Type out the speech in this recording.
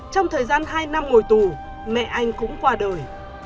trong thời gian hai năm ngồi tù mẹ anh cũng qua đời